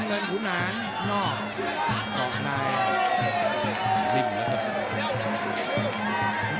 สอบสั้นก็มาช่วยนิดนึง